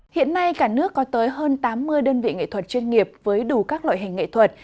hiện nay cả nước có tới hơn tám mươi đơn vị nghệ thuật chuyên nghiệp với đủ các loại hình nghệ thuật